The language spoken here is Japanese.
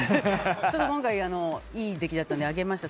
今回、いい出来だったので上げました。